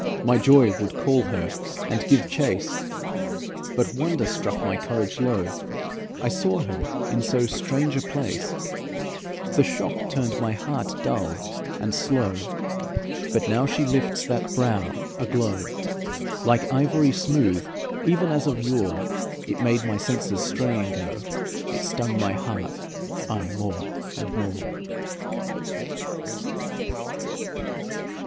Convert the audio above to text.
My joy would call her and give chase, But wonder struck my courage low; I saw her in so strange a place, The shock turned my heart dull and slow. But now she lifts that brow aglow, Like ivory smooth, even as of yore, It made my senses straying go, It stung my heart aye more and more.